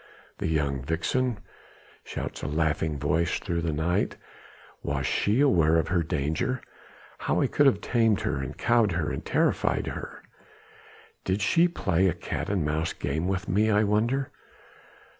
"The young vixen," shouts a laughing voice through the night, "was she aware of her danger? how I could have tamed her, and cowed her and terrified her! Did she play a cat and mouse game with me I wonder....